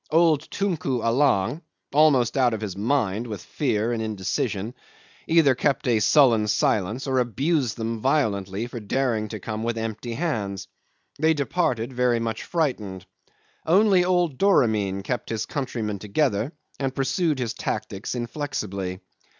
Old Tunku Allang, almost out of his mind with fear and indecision, either kept a sullen silence or abused them violently for daring to come with empty hands: they departed very much frightened; only old Doramin kept his countrymen together and pursued his tactics inflexibly.